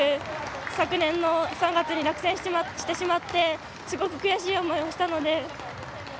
昨年の３月に落選してしまってすごく悔しい思いをしたので。